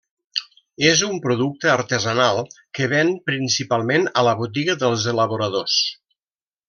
És un producte artesanal que ven principalment a la botiga dels elaboradors.